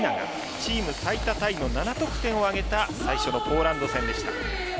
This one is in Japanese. チーム最多タイの７得点を挙げた最初のポーランド戦でした。